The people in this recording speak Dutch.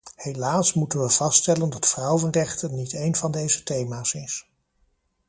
Helaas moeten we vaststellen dat vrouwenrechten niet één van deze thema's is.